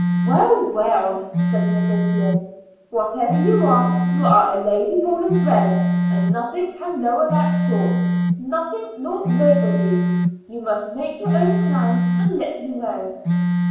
"Well, well," said Miss O'Flynn, "whatever you are, you are a lady born and bred, and nothing can lower that sort nothing nor nobody. You must make your own plans and let me know."